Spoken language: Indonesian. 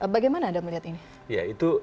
bagaimana anda melihat ini